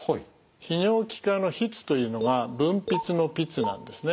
泌尿器科の「泌」というのが分泌の「泌」なんですね。